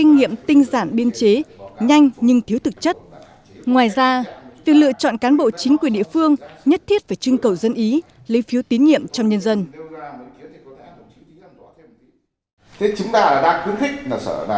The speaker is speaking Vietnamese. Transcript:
nếu sắp nhập ba sẽ làm một số lượng cán bộ chính quyền địa phương nhất thiết phải trưng cầu dân ý lấy phiếu tín nhiệm cho nhân dân